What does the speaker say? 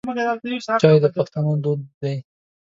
چای د پښتنو دود دی.